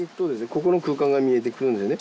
ここの空間が見えてくるのでね